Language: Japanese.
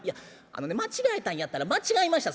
間違えたんやったら『間違えました。